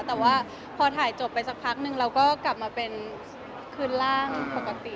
แต่ว่าพอถ่ายจบไปสักพักนึงเราก็กลับมาเป็นคืนร่างปกติ